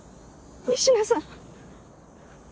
仁科さん。